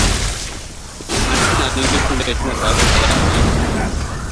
Na yi tunanin Yusuf zai tuna taron da za a yi yau.